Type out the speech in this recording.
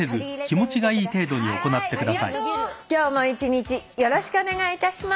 今日も一日よろしくお願いいたします。